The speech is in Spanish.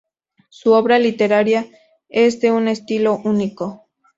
Su obra literaria es de un estilo único.